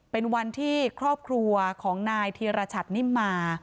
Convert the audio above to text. เป็นวันที่ครอบครัวของนายธีรชัตนิมมา